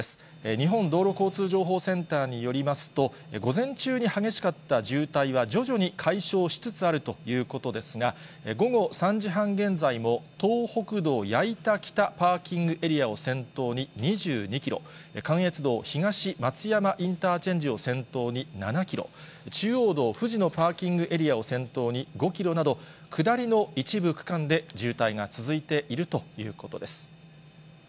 日本道路交通情報センターによりますと、午前中に激しかった渋滞は徐々に解消しつつあるということですが、午後３時半現在も、東北道矢板北パーキングエリアを先頭に、２２キロ、関越道東松山インターチェンジを先頭に７キロ、中央道藤野パーキングエリアを先頭に５キロなど、下りの一部区間で渋滞が続いているということです。